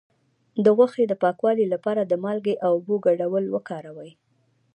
د غوښې د پاکوالي لپاره د مالګې او اوبو ګډول وکاروئ